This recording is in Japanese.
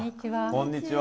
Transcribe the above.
こんにちは。